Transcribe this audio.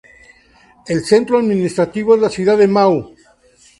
El centro administrativo es la ciudad de Mau.